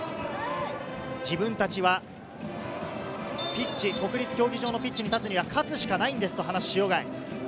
自分たちは国立競技場のピッチに立つには勝つしかないんですと話す塩貝。